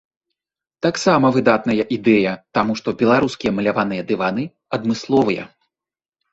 Таксама выдатная ідэя, таму што беларускія маляваныя дываны адмысловыя.